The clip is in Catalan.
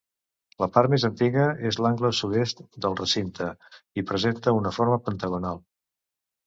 La part més antiga és l'angle sud-est del recinte, i presenta una forma pentagonal.